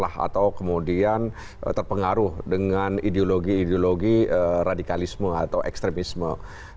atau kemudian terpengaruh dengan ideologi ideologi radikalisme atau ekstremisme